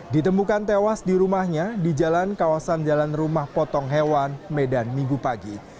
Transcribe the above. ditemukan tewas di rumahnya di jalan kawasan jalan rumah potong hewan medan minggu pagi